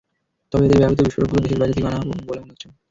তবে এদের ব্যবহৃত বিস্ফোরকগুলো দেশের বাইরেও থেকে আনা বলে মনে হচ্ছে।